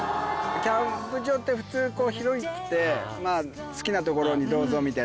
キャンプ場って普通こう広くてまぁ好きなところにどうぞみたいな。